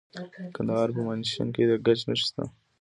د کندهار په میانشین کې د ګچ نښې شته.